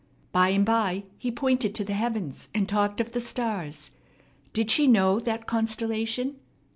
By and by he pointed to the heavens, and talked of the stars. Did she know that constellation?